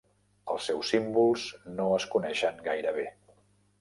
Els seus símbols no es coneixen gaire bé.